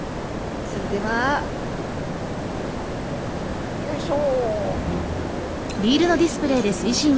それではよいしょ。